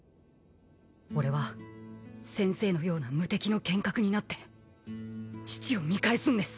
俺は先生のような無敵の剣客になって父を見返すんです。